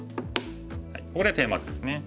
ここでテーマ図ですね。